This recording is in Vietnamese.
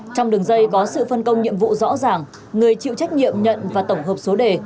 trong đường dây có sự phân công nhiệm vụ rõ ràng người chịu trách nhiệm nhận và tổng hợp số đề